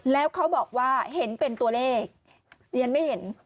แล้วเขาบอกว่าเห็นเป็นตัวเลขดิฉันไม่เห็น